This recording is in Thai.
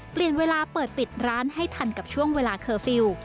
เปลี่ยนเวลาเปิดปิดร้านให้ทันกับช่วงเวลาเคอร์ฟิลล์